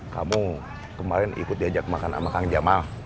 kamu kemaren ikut diajak makan sama k licence